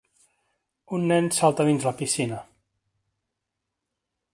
un nen salta a dins la piscina.